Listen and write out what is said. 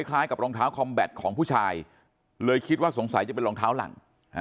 คล้ายกับรองเท้าคอมแบตของผู้ชายเลยคิดว่าสงสัยจะเป็นรองเท้าหลัง